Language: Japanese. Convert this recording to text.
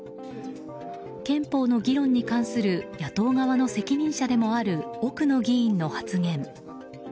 憲法の議論に関する野党側の責任者でもある奥野議員の発言。